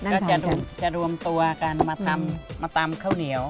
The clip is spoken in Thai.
ก็จะรวมตัวกันมาทำมาตำข้าวเหนียว